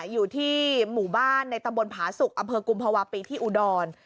อยู่ที่หมุบ้านในตะบลพาศุกรกุมภาวะปีที่อุดร